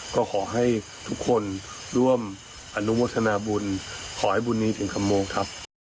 ก็ขอให้ทุกคนร่วมอนุโมทนาบุญขอให้บุญนี้ถึงคำโมงครับ